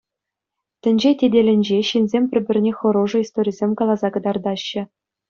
Тӗнче тетелӗнче ҫынсем пӗр-пӗрне хӑрушӑ историсем каласа кӑтартаҫҫӗ.